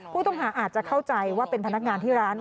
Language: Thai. ผู้ต้องหาอาจจะเข้าใจว่าเป็นพนักงานที่ร้าน